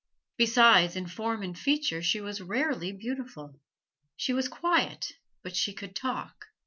Besides, in form and feature, she was rarely beautiful. She was quiet, but she could talk.